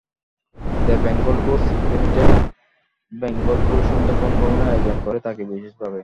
The Bengal tours limited Bengal tour Sundarban ভ্রমণের আয়োজন করে থাকে বিশেষভাবে।